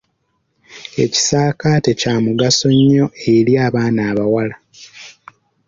Ekisaakaate kya mugaso nnyo eri abaana abawala.